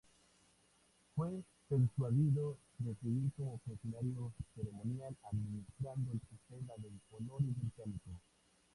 Fue persuadido de seguir como funcionario ceremonial administrando el Sistema de Honores Británico.